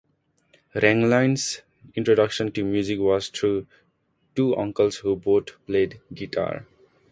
Ranglin's introduction to music was through two uncles who both played guitar.